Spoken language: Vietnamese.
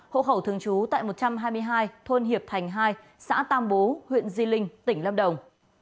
hộ khẩu thường trú tại một trăm hai mươi hai thôn hiệp thành hai xã tam bố huyện di linh tỉnh lâm đồng